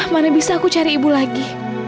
mana bisa aku cari ibu lagi